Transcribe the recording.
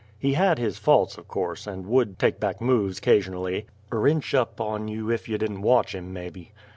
He had his faults, o' course, and would take back moves 'casion'ly, er inch up on you ef you didn't watch him, mebby.